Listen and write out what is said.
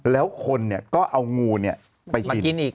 แล้วคนก็เอางูไปกิน